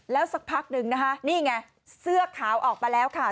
แล้วสักพักหนึ่งนะคะนี่ไงเสื้อขาวออกมาแล้วค่ะ